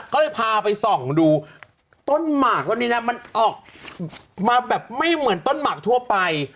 ก็เลยพาไปส่องดูต้นหมากนี่ออกมาไม่เหมือนต้นหมากทั่วไป